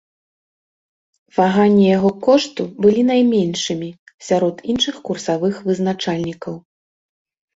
Ваганні яго кошту былі найменшымі сярод іншых курсавых вызначальнікаў.